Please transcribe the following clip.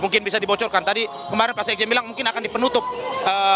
mungkin bisa dibocorkan tadi kemarin pak sekjen bilang mungkin akan di penutup